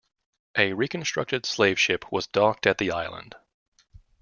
A reconstructed slave ship was docked at the island.